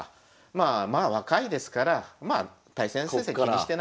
まあ若いですからまあ対戦成績気にしてないと。